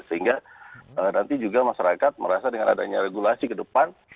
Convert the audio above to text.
sehingga nanti juga masyarakat merasa dengan adanya regulasi ke depan